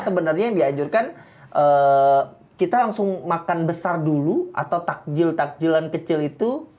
sebenarnya yang dianjurkan kita langsung makan besar dulu atau takjil takjilan kecil itu